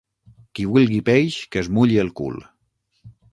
Qui vulgui peix que es mulli el cul.